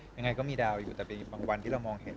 ยังไงก็มีดาวอยู่แต่เป็นบางวันที่เรามองเห็น